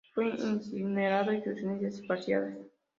Fue incinerado y sus cenizas esparcidas.